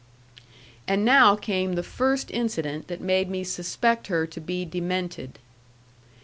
And now came the first incident that made me suspect her to be demented.